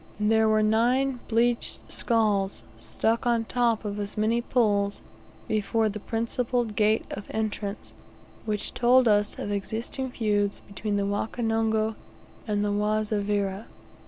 There were nine bleached skulls, stuck on the top of as many poles, before the principal gate of entrance, which told us of existing feuds between the Wakonongo and the Wazavira.